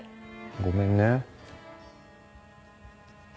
ごめんね。